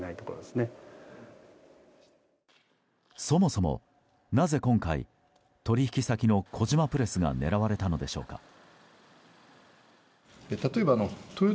そもそも、なぜ今回取引先の小島プレスが狙われたのでしょうか。